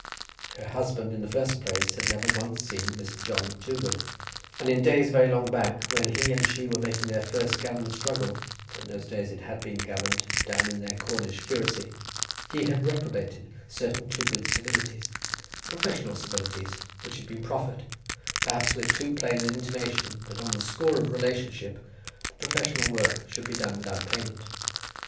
Her husband, in the first place, had never once seen Mr. John Toogood; and in days very long back, when he and she were making their first gallant struggle, for in those days it had been gallant, down in their Cornish curacy, he had reprobated certain Toogood civilities, professional civilities, which had been proffered, perhaps, with too plain an intimation that on the score of relationship the professional work should be done without payment.